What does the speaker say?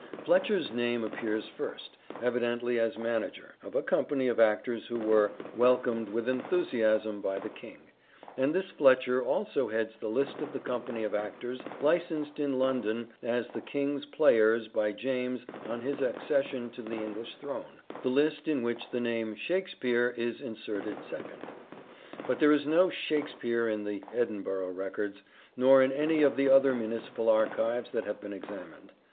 Fletcher's name appears first, evidently as manager* of a company of actors who were " welcomed with enthusiasm by the King," and this Fletcher also heads the list of the company of actors licensed in London as the King's Players by James on his accession to the English throne — the list in which the name 76 " SHAKESPEARE " IDENTIFIED Shakespeare is inserted second. But there is no Shakspere in the Edinburgh records, nor in any of the other municipal archives that have been examined.